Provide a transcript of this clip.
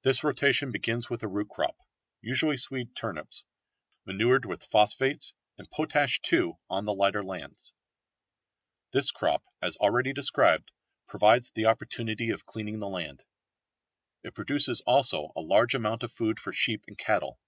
This rotation begins with a root crop, usually Swede turnips, manured with phosphates, and potash too on the lighter lands. This crop, as already described, provides the opportunity of cleaning the land. It produces also a large amount of food for sheep and cattle.